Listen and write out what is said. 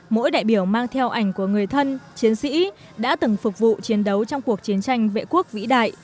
mỗi đại biểu mang theo ảnh của người thân chiến sĩ đã từng phục vụ chiến đấu trong cuộc chiến tranh vệ quốc vĩ đại